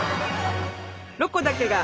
「ロコだけが」。